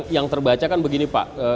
yang terbaca kan begini pak